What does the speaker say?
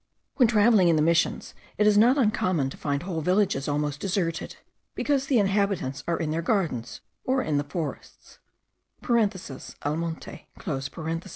When travelling in the Missions, it is not uncommon to find whole villages almost deserted, because the inhabitants are in their gardens, or in the forests (al monte).